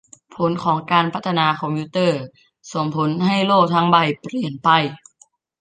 ผลของการพัฒนาคอมพิวเตอร์ ส่งผลให้โลกทั้งใบเปลี่ยนไป